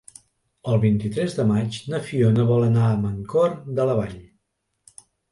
El vint-i-tres de maig na Fiona vol anar a Mancor de la Vall.